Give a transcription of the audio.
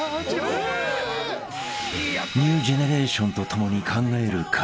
［ニュージェネレーションと共に考える会］